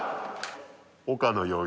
岡野陽一。